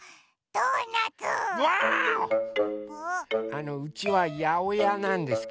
あのうちはやおやなんですけど。